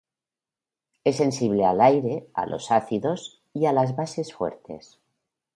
Es sensible al aire, a los ácidos y a las bases fuertes.